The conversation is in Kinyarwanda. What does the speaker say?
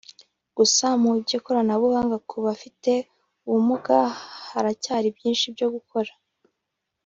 Gusa mu by’ikoranabuhanga ku bafite ubumuga haracyari byinshi byo gukora